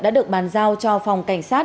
đã được bàn giao cho phòng cảnh sát